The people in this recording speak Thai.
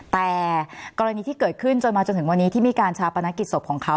แต่กรณีที่เกิดขึ้นจนมาจนถึงวันนี้ที่มีการชาปนกิจศพของเขา